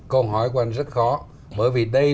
câu hỏi của anh rất khó bởi vì đây